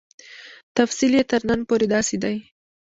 تفصیل یې تر نن پورې داسې دی.